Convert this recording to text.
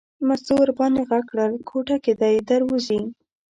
مستو ور باندې غږ کړل کوټه کې دی در وځي.